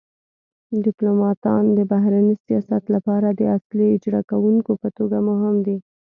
ډیپلوماتان د بهرني سیاست لپاره د اصلي اجرا کونکو په توګه مهم دي